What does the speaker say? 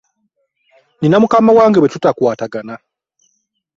Nnina mukama wange bwe tutakwatagana.